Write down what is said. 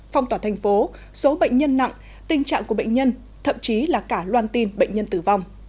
phong tỏa thành phố số bệnh nhân nặng tình trạng của bệnh nhân thậm chí là cả loan tin bệnh nhân tử vong